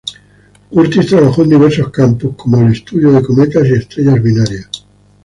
Curtis trabajó en diversos campos como el estudio de cometas y estrellas binarias.